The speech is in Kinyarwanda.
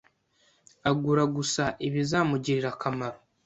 Agura gusa ibizamugirira akamaro.